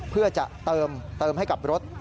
เพื่อจะเติมให้กับรถ